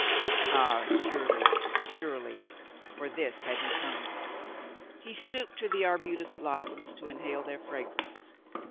Ah, surely, surely, for this had he come. He stooped to the arbutus blossoms to inhale their fragrance.